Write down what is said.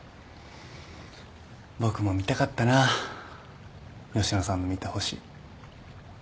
僕も見たかったな吉野さんの見た星。